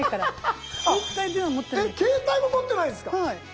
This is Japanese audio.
携帯も持ってないんすか⁉はい。